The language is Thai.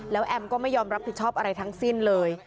แล้วแอมก็ไม่ยอมรับผิดชอบอะไรทั้งสิ้นเลย